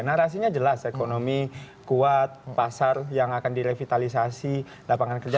narasinya jelas ekonomi kuat pasar yang akan direvitalisasi lapangan kerja